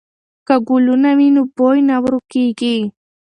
که ګلونه وي نو بوی نه ورکېږي.